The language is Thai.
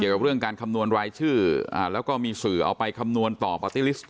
เกี่ยวกับเรื่องการคำนวณรายชื่ออ่าแล้วก็มีสื่อเอาไปคำนวณต่อปลาติลิสต์